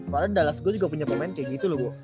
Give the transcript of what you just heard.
padahal dallas gue juga punya pemain kayak gitu loh